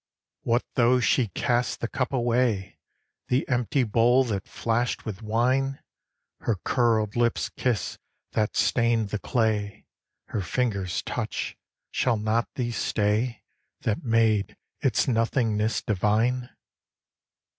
What though she cast the cup away! The empty bowl that flashed with wine! Her curled lips' kiss, that stained the clay, Her fingers' touch shall not these stay, That made its nothingness divine?